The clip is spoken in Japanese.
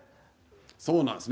そうなんですね。